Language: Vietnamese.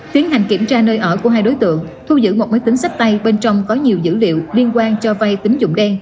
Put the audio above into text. tiến hành kiểm tra nơi ở của hai đối tượng thu giữ một máy tính sách tay bên trong có nhiều dữ liệu liên quan cho vay tín dụng đen